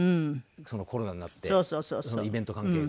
コロナになってイベント関係が。